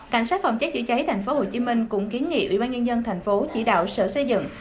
cảnh sát phòng cháy chữa cháy thành phố hồ chí minh cũng kiến nghị ủy ban nhân dân thành phố chỉ đạo sở xây dựng